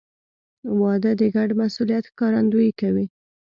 • واده د ګډ مسؤلیت ښکارندویي کوي.